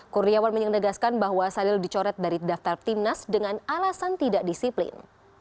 kurniawan menyendegaskan bahwa salil dicoret dari daftar timnas dengan alasan tidak disiplin